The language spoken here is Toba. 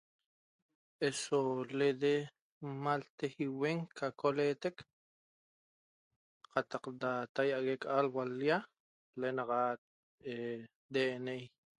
Eso lede n'malate iuen ca coleteq cataq da tahiague alua' ulhia lenaxat DNI